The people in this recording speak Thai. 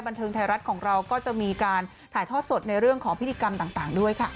บันเทิงไทยรัฐของเราก็จะมีการถ่ายทอดสดในเรื่องของพิธีกรรมต่างด้วยค่ะ